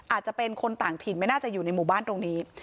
อาจจะเป็นคนต่างถิ่นไม่น่าจะอยู่ในหมู่บ้านตรงนี้